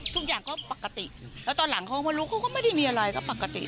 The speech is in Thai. ทุกอย่างก็ปกติแล้วตอนหลังเขามารู้เขาก็ไม่ได้มีอะไรก็ปกติ